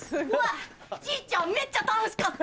じいちゃんめっちゃ楽しかった！